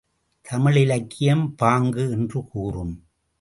தமிழிலக்கியம், பாங்கு என்று கூறும்.